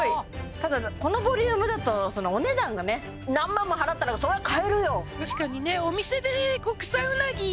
ただこのボリュームだとお値段がね何万も払ったらそりゃ買えるよ